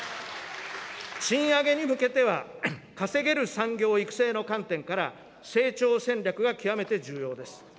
賃上げに向けては、稼げる産業育成の観点から、成長戦略が極めて重要です。